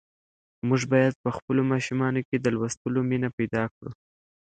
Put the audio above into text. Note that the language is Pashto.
موږ باید په خپلو ماشومانو کې د لوستلو مینه پیدا کړو.